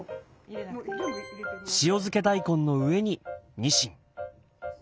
塩漬け大根の上にニシン。